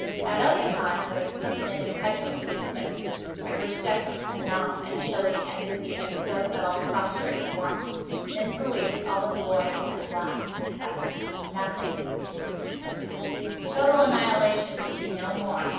At other times I was quickly and impetuously smitten. I grew sick, and numb, and chilly, and dizzy, and so fell prostrate at once. Then, for weeks, all was void, and black, and silent, and Nothing became the universe. Total annihilation could be no more.